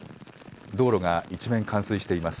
道路が一面、冠水しています。